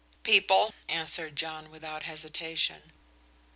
"People," answered John without hesitation.